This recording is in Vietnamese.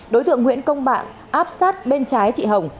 đối tượng nguyễn công bạn áp sát bên trái chị hồng